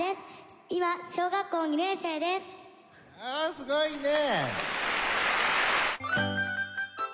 すごいねえ！